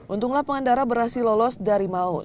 untunglah pengendara berhasil lolos dari maut